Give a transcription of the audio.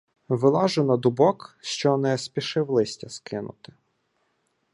Вилажу на дубок, що не спішив листя скинути.